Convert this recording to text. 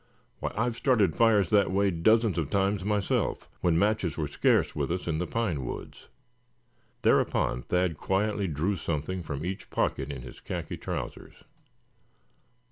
Why, I've started fires that way dozens of times myself, when matches were scare with us in the pine woods." Thereupon Thad quietly drew something, from each pocket in his khaki trousers.